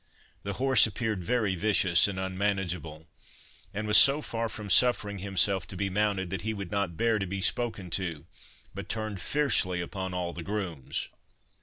The horse appeared very vicious and unmanageable, and was so far from suffering himself to be mounted, that he would not bear to be spoken to, but turned fiercely upon all the grooms.